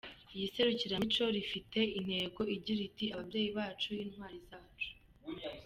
Iri serukiramuco rifite intego igira iti “Ababyeyi bacu, Intwari zacu".